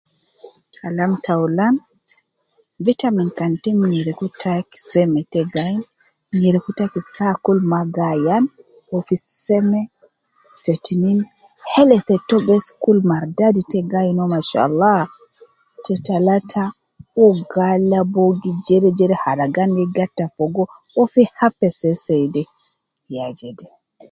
Kalam ta aulan vitamin kan Tim nyereku taki seme te gainu kan nyerku ta saa kul maa gaayan ofi seme te tinin, heath to gi Kun mardadi tevgaain uwo mashallah te talata ogalanogi jerejere aragan gi gat Fogo ofi happy seiseide, ya jede.